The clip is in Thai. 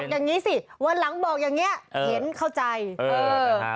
อย่างนี้สิวันหลังบอกอย่างเงี้เห็นเข้าใจเออ